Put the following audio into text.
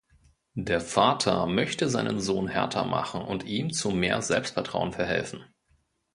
Der Vater möchte seinen Sohn härter machen und ihm zu mehr Selbstvertrauen verhelfen.